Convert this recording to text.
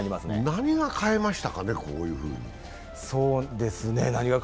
何が変えましたかね、こういうふうに。